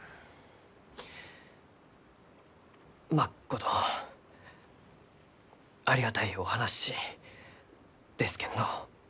まっことありがたいお話ですけんど。